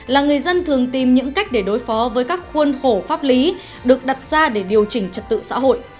là người dân thường tìm những cách để đối phó với các khuôn khổ pháp lý được đặt ra để điều chỉnh trật tự xã hội